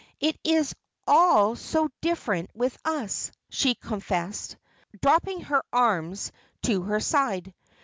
"It is all so different with us," she confessed, dropping her arms to her side.